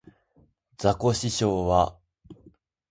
ザコシショウは